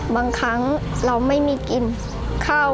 บางครั้งเราไม่มีกินข้าว